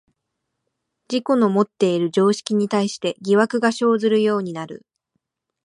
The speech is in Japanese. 自己のもっている常識に対して疑惑が生ずるようになる。